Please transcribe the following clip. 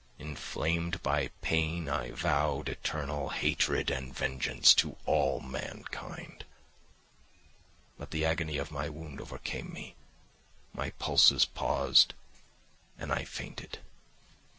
Inflamed by pain, I vowed eternal hatred and vengeance to all mankind. But the agony of my wound overcame me; my pulses paused, and I fainted.